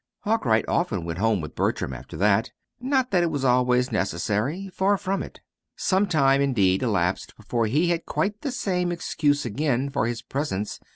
Arkwright often went home with Bertram after that. Not that it was always necessary far from it. Some time, indeed, elapsed before he had quite the same excuse again for his presence.